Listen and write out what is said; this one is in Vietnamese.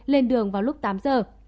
lên đường vào lúc tám giờ